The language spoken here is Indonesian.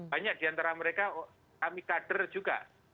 banyak diantara mereka kami kader juga